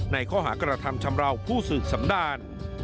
ในข้อหากระทำชำราวผู้สืบสำดาน